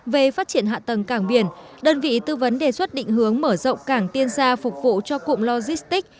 về phát triển hạ tầng cảng biển đơn vị tư vấn đề xuất định hướng mở rộng cảng tiên sa phục vụ cho cụm logistic